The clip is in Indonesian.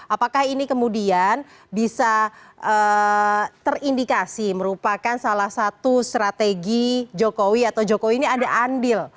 apakah ini kemudian bisa terindikasi merupakan salah satu strategi jokowi atau jokowi ini ada andil